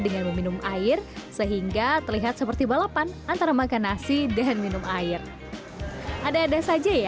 dengan meminum air sehingga terlihat seperti balapan antara makan nasi dan minum air ada ada saja ya